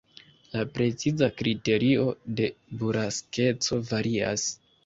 La preciza kriterio de buraskeco varias.